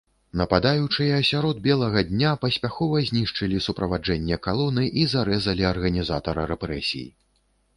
Нападаючыя сярод белага дня паспяхова знішчылі суправаджэнне калоны і зарэзалі арганізатара рэпрэсій.